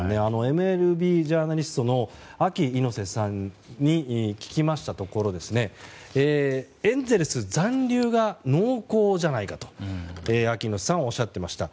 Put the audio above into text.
ＭＬＢジャーナリストのＡＫＩ猪瀬さんに聞きましたところエンゼルス残留が濃厚じゃないかとＡＫＩ猪瀬さんはおっしゃっていました。